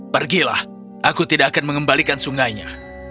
pergilah aku tidak akan mengembalikan sungainya